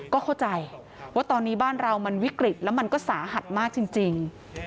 ก็เข้าใจว่าตอนนี้บ้านเรามันวิกฤตแล้วมันก็สาหัสมากจริง